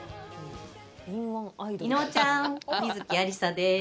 伊野尾ちゃん観月ありさです。